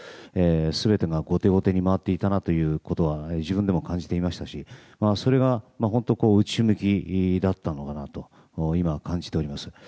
全てが後手後手に回っていたなということは自分でも感じていましたしそれが内向きだったのかなと今は感じております。